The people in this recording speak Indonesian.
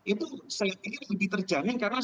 itu saya pikir lebih terjamin karena